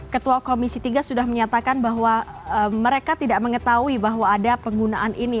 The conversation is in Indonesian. ketua komisi tiga sudah menyatakan bahwa mereka tidak mengetahui bahwa ada penggunaan ini